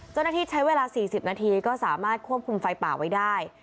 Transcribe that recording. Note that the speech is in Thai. เจ้าหน้าที่ใช้เวลา๔๐นาทีก็สามารถควบคุมไฟป่าไว้ได้